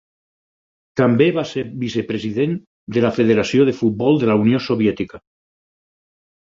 També va ser vicepresident de la Federació de Futbol de la Unió Soviètica.